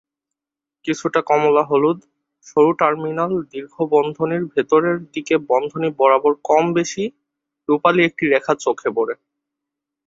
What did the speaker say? কিছুটা কমলা-হলুদ, সরু টার্মিনাল দীর্ঘ বন্ধনীর ভিতরের দিকে বন্ধনী বরাবর কম-বেশী রূপালী একটি রেখা চোখে পড়ে।